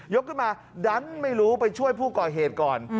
ขึ้นมาดันไม่รู้ไปช่วยผู้ก่อเหตุก่อน